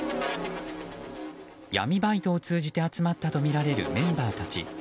闇バイトを通じて集まったとみられるメンバーたち。